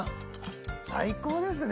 最高ですね